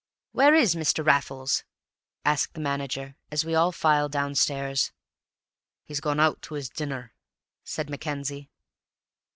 "Where is Mr. Raffles?" asked the manager, as we all filed downstairs. "He's gone out to his dinner," said Mackenzie.